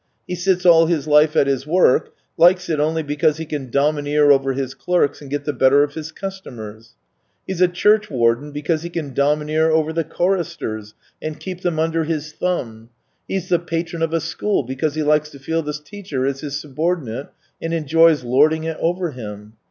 He sits all his life at his work, likes it only because he can domineer over his clerks and get the better of his customers. He's a churchwarden 296 THE TALES OF TCHEHOV because he can domineer over the choristers and. keep them under his thumb; he's the patron of a school because he Hkes to feel the teacher is his subordinate and enjoys lording it over him.